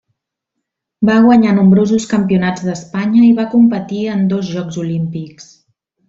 Va guanyar nombrosos Campionats d'Espanya i va competir en dos Jocs Olímpics.